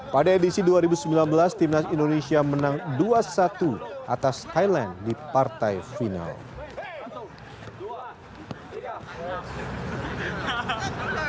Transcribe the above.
pada edisi dua ribu sembilan belas timnas indonesia menang dua satu atas thailand di partai final